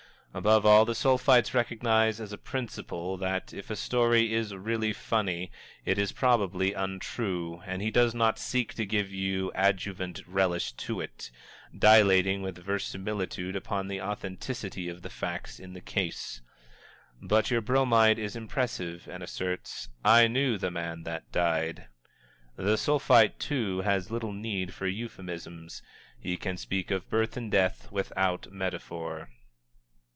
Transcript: Above all, the Sulphite recognizes as a principle that, if a story is really funny, it is probably untrue, and he does not seek to give an adjuvant relish to it, by dilating with verisimilitude upon the authenticity of the facts in the case. But your Bromide is impressive and asserts, "I knew the man that died!" The Sulphite, too, has little need for euphemisms. He can speak of birth and death without metaphor.